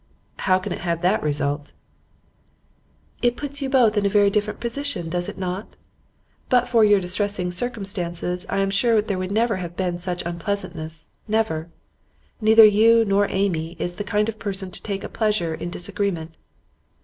'How can it have that result?' 'It puts you both in a very different position, does it not? But for your distressing circumstances, I am sure there would never have been such unpleasantness never. Neither you nor Amy is the kind of person to take a pleasure in disagreement.